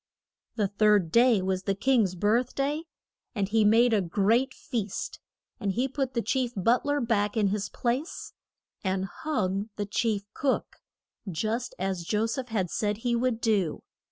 The third day was the king's birth day, and he made a great feast. And he put the chief but ler back in his place, and hung the chief cook; just as Jo seph had said he would do.